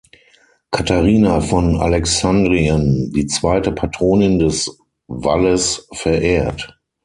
Katharina von Alexandrien, die zweite Patronin des Wallis verehrt.